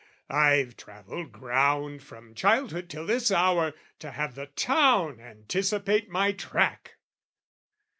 I've travelled ground, from childhood till this hour, To have the town anticipate my track!